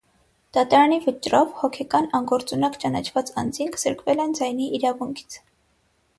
Դատարանի վճռով հոգեկան անգործունակ ճանաչված անձինք զրկվել են ձայնի իրավունքից։